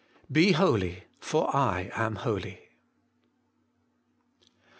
BE HOLY, FOE I AM HOLY.